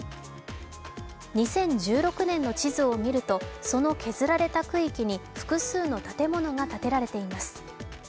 ２０１６年の地図を見るとその削られた区域に複数の建物が建てられています。